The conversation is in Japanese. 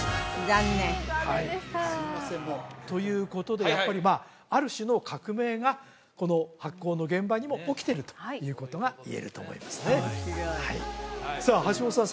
残念残念でしたということでやっぱりある種の革命がこの発酵の現場にも起きてるということが言えると思いますねさあ橋本さん